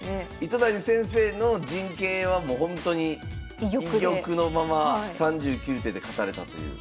糸谷先生の陣形はもうほんとに居玉のまま３９手で勝たれたという。